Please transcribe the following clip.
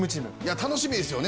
楽しみですよね